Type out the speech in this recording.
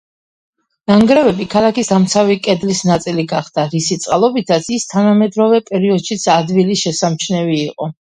ნანგრევები ქალაქის დამცავი კედლის ნაწილი გახდა, რისი წყალობითაც ის თანამედროვე პერიოდშიც ადვილი შესამჩნევი იყო.